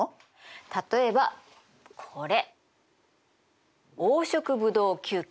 例えばこれ黄色ブドウ球菌。